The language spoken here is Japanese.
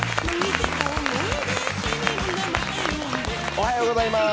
おはようございます。